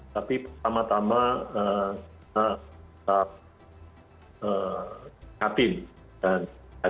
tapi pertama tama kita ingin mengingatkan dan ada cara